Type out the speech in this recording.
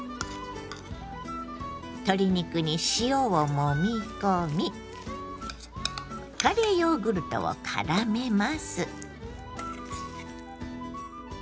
鶏肉に塩をもみ込みカレーヨーグルトをからめます。